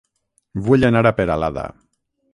Vull anar a Peralada